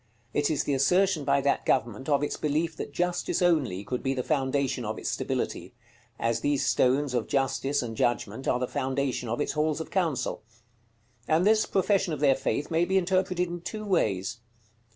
It is the assertion by that government of its belief that Justice only could be the foundation of its stability; as these stones of Justice and Judgment are the foundation of its halls of council. And this profession of their faith may be interpreted in two ways.